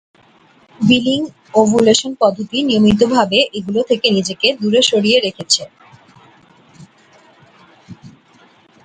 Billing ovulation পদ্ধতি নিয়মিতভাবে এগুলো থেকে নিজেকে দূরে সরিয়ে রেখেছে।